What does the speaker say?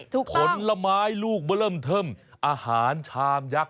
ถูกต้องคลนละไม้ลูกเบอร์เริ่มเทิมอาหารชามยักษ์